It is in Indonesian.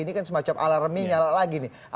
ini kan semacam alarmnya nyala lagi nih